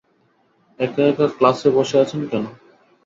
এক একা ক্লাসে বসে আছেন কেন?